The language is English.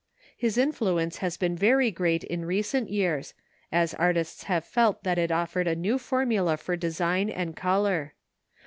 His influence has been very great in recent years, as artists have felt that it offered a new formula for design and colour.